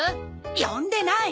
呼んでない。